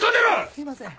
すいません。